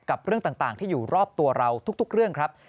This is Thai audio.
เรื่องต่างที่อยู่รอบตัวเราทุกเรื่องครับ